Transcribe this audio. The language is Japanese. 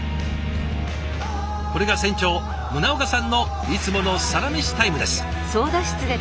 これが船長宗岡さんのいつものサラメシタイムです。